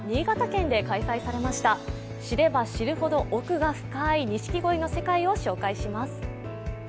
知れば知るほど奥が深い、錦鯉の世界を紹介します。